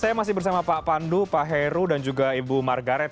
saya masih bersama pak pandu pak heru dan juga ibu margaret